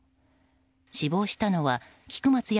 死亡したのは菊松安